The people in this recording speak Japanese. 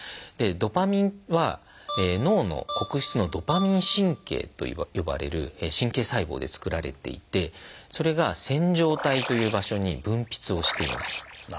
ドパミンは脳の黒質の「ドパミン神経」と呼ばれる神経細胞で作られていてそれが線条体という場所に分泌をしています。